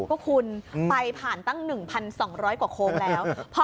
ก็คุณไปผ่านตั้ง๑๒๐๐กว่าโค้งแล้ว